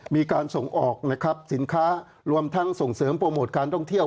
มีการส่งออกนะครับสินค้ารวมทั้งส่งเสริมโปรโมทการท่องเที่ยว